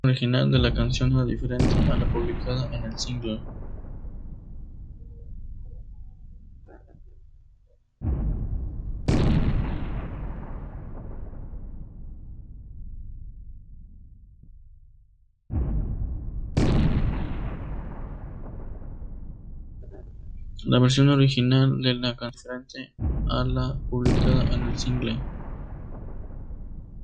La versión original de la canción era diferente a la publicada en el "single".